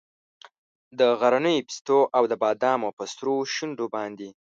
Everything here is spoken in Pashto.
د غرنیو پیستو او د بادامو په سرو شونډو باندې